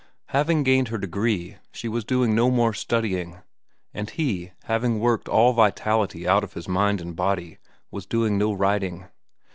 Having gained her degree, she was doing no more studying; and he, having worked all vitality out of his mind and body, was doing no writing.